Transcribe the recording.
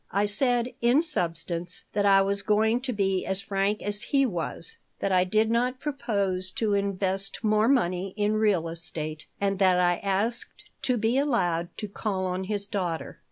I said, in substance, that I was going to be as frank as he was, that I did not propose to invest more money in real estate, and that I asked to be allowed to call on his daughter.